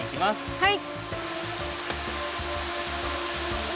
はい。